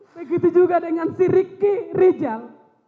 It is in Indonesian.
begitu juga dengan si riki rijal